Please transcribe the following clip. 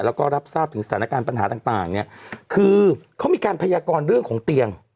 แล้วก็รับทราบถึงสถานการณ์ปัญหาต่างเนี่ยคือเขามีการพยากรเรื่องของเตียง